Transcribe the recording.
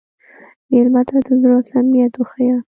مېلمه ته د زړه صمیمیت وښیه.